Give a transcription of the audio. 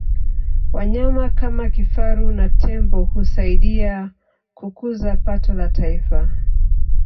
wanyama kama kifaru na tembo husaidia kukuza pato la taifa